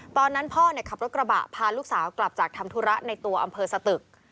ตอนนั้นพ่อขับรถกระบะพาลูกสาวกลับจากทำธุระในตัวอำเภอสตึก